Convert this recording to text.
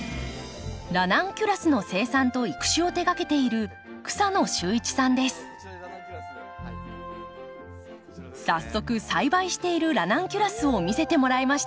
ラナンキュラスの生産と育種を手がけている早速栽培しているラナンキュラスを見せてもらいました。